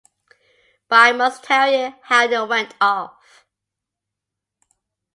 But I must tell you how it went off.